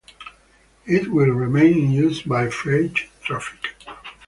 It will remain in use by freight traffic.